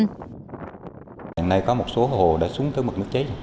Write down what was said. hiện nay có một số hồ đã xuống tới mực nước chết